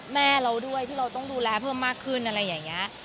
แม่เราด้วยที่เราต้องดูแลเพิ่มมากขึ้นอะไรอย่างนี้